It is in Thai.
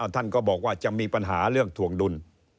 ท่านก็บอกว่าจะมีปัญหาเรื่องถวงดุล